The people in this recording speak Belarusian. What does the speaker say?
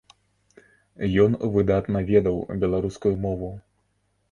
Ён выдатна ведаў беларускую мову.